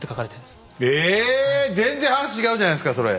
え全然話違うじゃないですかそれ。